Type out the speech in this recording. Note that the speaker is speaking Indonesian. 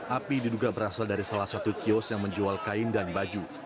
api diduga berasal dari salah satu kios yang menjual kain dan baju